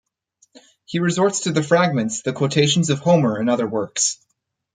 He resorts to the fragments, the quotations of Homer in other works.